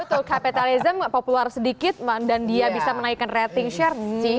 betul capitalism popular sedikit dan dia bisa menaikan rating share sih